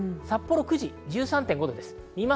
札幌の９時、１３．５度です。